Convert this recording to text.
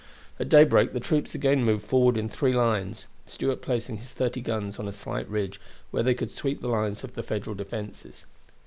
At daybreak the troops again moved forward in three lines, Stuart placing his thirty guns on a slight ridge, where they could sweep the lines of the Federal defenses.